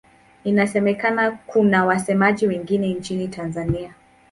Inasemekana kuna wasemaji wengine nchini Tanzania.